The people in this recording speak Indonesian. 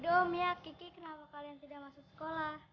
rido mia kiki kenapa kalian tidak masuk sekolah